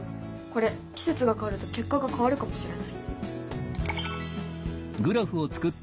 これ季節が変わると結果が変わるかもしれない。